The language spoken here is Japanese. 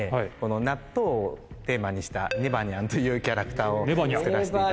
納豆をテーマにしたねばにゃんというキャラクターを作らせていただきまして。